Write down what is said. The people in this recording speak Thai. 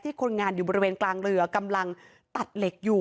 คนงานอยู่บริเวณกลางเรือกำลังตัดเหล็กอยู่